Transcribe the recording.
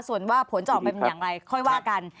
ส่วนว่าผลจะออกมาเป็นอย่างไรค่อยว่ากัน